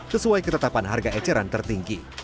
sesuai ketetapan harga eceran tertinggi